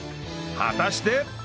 果たして？